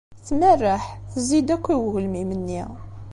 Tmerreḥ, tezzi-d akk i ugelmim-nni.